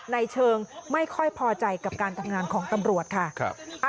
ในเชิงไม่ค่อยพอใจกับการทำงานของตำรวจค่ะ